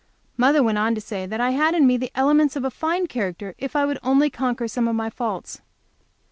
Mother went on to say that I had in me the elements of a fine character if I would only conquer some of my faults.